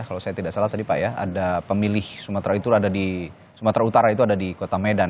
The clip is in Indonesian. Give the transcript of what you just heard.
kalau saya tidak salah tadi pak ya ada pemilih sumatera itu ada di sumatera utara itu ada di kota medan